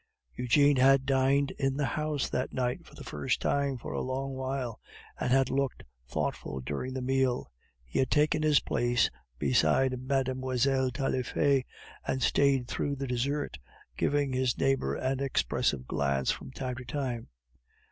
Eugene had dined in the house that night for the first time for a long while, and had looked thoughtful during the meal. He had taken his place beside Mlle. Taillefer, and stayed through the dessert, giving his neighbor an expressive glance from time to time.